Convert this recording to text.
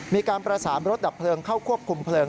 มีการประสานรถดับเพลิงเข้าควบคุมเพลิง